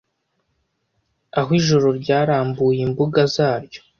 aho ijoro ryarambuye imbuga zaryo